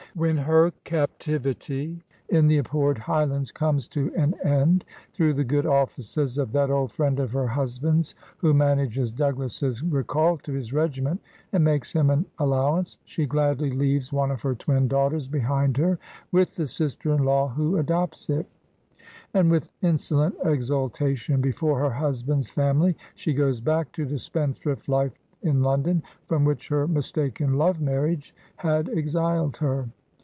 When her captivity in the ab horred Highlands comes to an end through the good offices of that old friend of her husband's who manages Douglas's recall to his regiment, and makes him an al lowance, she gladly leaves one of her twin daughters behind her with the sister in law who adopts it; and with insolent exultation before her husband's family, she goes back to the spendthrift life in London from which her mistaken love marriage had exiled her.